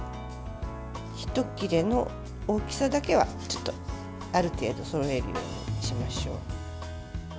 ひと切れの大きさだけはある程度そろえるようにしましょう。